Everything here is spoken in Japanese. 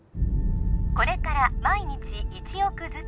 これから毎日１億ずつ